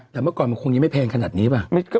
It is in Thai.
แต่เมื่อก่อนมันคงยังไม่แพงขนาดนี้ป่ะ